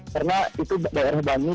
karena itu daerah bani